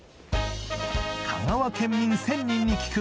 香川県民１０００人に聞く